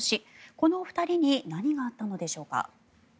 この２人に何があったのでしょうか。